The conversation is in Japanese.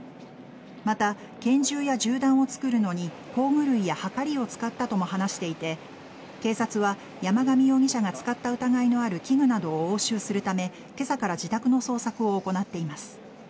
また、拳銃や銃弾を作るのに工具類やはかりを使ったとも話していて警察は山上容疑者が使った疑いのある器具などを押収するため今朝から自宅の捜索を行っています。